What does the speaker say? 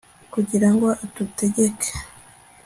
kugira ngo adutegeke